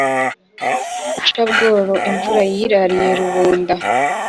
gaca-bworo, imvura wayirariye rubunda,